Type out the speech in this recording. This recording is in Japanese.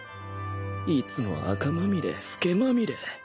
いつもあかまみれフケまみれ